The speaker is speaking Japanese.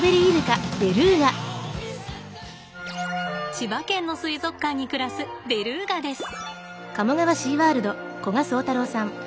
千葉県の水族館に暮らすベルーガです。